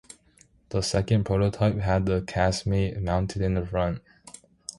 The second prototype had the casemate mounted in the front.